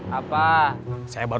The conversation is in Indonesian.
kepan temen kita kecopet